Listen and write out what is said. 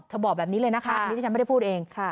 บอกแบบนี้เลยนะคะอันนี้ที่ฉันไม่ได้พูดเอง